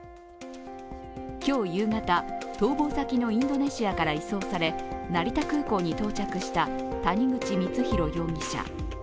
今日夕方、逃亡先のインドネシアから移送され、成田空港に到着した谷口光弘容疑者。